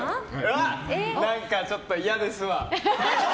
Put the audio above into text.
何かちょっと嫌ですわ！